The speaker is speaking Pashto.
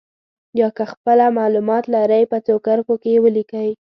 یا که خپله معلومات لرئ په څو کرښو کې یې ولیکئ.